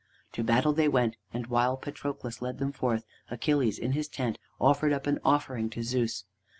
To battle they went, and while Patroclus led them forth, Achilles in his tent offered up an offering to Zeus.